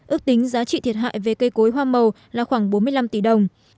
ước tính giá trị thiệt hại về cây cối hoa màu là khoảng bốn mươi năm tỷ đồng